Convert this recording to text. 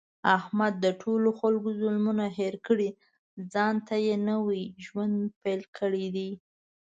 احمد د ټولو خلکو ظلمونه هېر کړي، ځانته یې نوی ژوند پیل کړی دی.